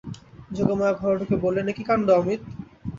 যোগমায়া ঘরে ঢুকে বললেন, এ কী কাণ্ড অমিত।